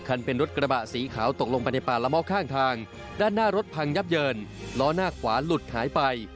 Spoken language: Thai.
เขายิ่งร้อนอยากเล่าจะผสมไป